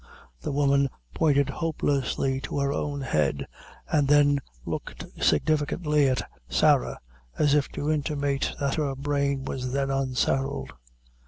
The woman pointed hopelessly to her own head, and then looked significantly at Sarah, as if to intimate that her brain was then unsettled.